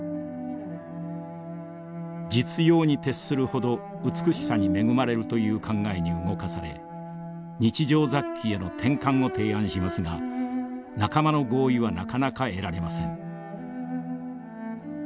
実用に徹するほど美しさに恵まれるという考えに動かされ日常雑器への転換を提案しますが仲間の合意はなかなか得られません。